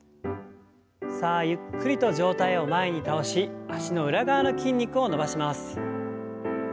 さあゆっくりと上体を前に倒し脚の裏側の筋肉を伸ばします。